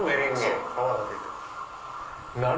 そう泡立ててる。